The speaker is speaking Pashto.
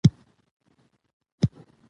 د جاوید اختر خبرې په دې نه ارزي چې وژباړل شي.